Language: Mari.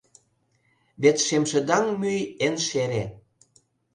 Вет шемшыдаҥ мӱй эн шере.